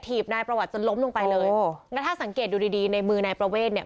นายประวัติจนล้มลงไปเลยโอ้แล้วถ้าสังเกตดูดีดีในมือนายประเวทเนี่ย